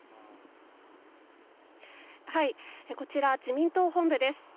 こちら、自民党本部です。